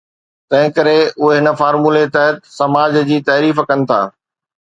تنهن ڪري اهي هن فارمولي تحت سماج جي تعريف ڪن ٿا.